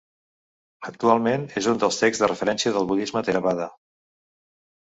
Actualment és un dels texts de referència del budisme theravada.